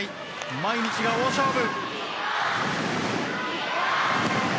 毎日が大勝負。